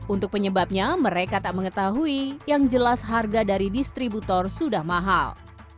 untuk penyebabnya mereka tak mengetahui yang jelas harga dari distributor sudah mahal